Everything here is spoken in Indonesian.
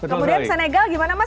kemudian senegal gimana mas